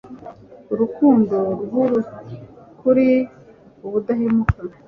Urukundo RwukuriUbudahemuka